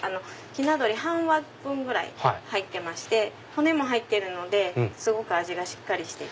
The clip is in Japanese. ひな鳥半羽分ぐらい入ってまして骨も入ってるのですごく味がしっかりしてて。